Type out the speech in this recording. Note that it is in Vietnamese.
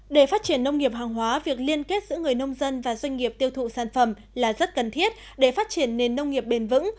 để phát triển nông nghiệp hàng hóa việc liên kết giữa người nông dân và doanh nghiệp tiêu thụ sản phẩm là rất cần thiết để phát triển nền nông nghiệp bền vững